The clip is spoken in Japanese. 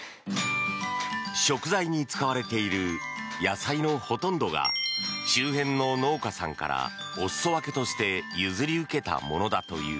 食材に使われている野菜のほとんどが周辺の農家さんからお裾分けとして譲り受けたものだという。